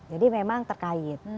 jadi memang terkait